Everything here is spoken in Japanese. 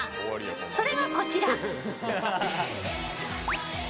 それがこちら。